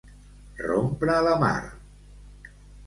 Rompre la mar.